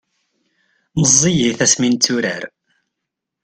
meẓẓiyit asmi netturar